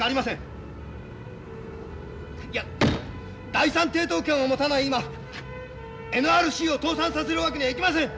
いや第三抵当権を持たない今ＮＲＣを倒産させるわけにはいきません！